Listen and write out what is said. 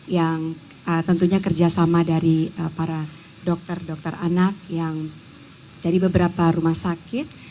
yang tentunya kerjasama dari para dokter dokter anak yang dari beberapa rumah sakit